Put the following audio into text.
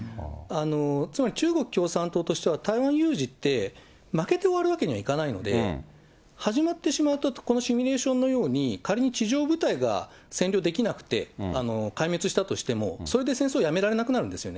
つまり中国共産党としては台湾有事って負けて終わるわけにいかないので、始まってしまうと、このシミュレーションのように、仮に地上部隊が占領できなくて壊滅したとしても、それで戦争やめられなくなるんですね。